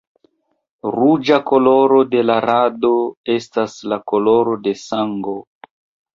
Ruĝa koloro de la rado estas la koloro de sango.